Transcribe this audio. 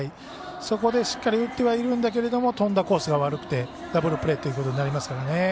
そこでしっかり打ってはいるけれども飛んだコースが悪くてダブルプレーとなりますからね。